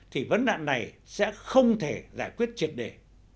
thì vấn đạn này sẽ không thể giải quyết triệt đề